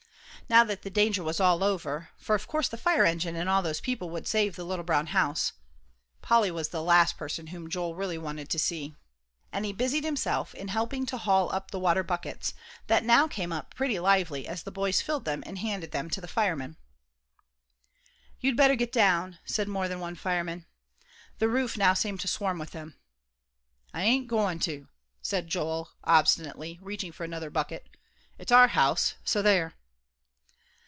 Now that the danger was all over, for of course the fire engine and all those people would save the little brown house, Polly was the last person whom Joel really wanted to see. And he busied himself in helping to haul up the water buckets, that now came up pretty lively as the boys filled them and handed them to the firemen. "You'd better get down," said more than one fireman. The roof now seemed to swarm with them. "I ain't goin' to," said Joel, obstinately, reaching out for another bucket; "it's our house, so there!"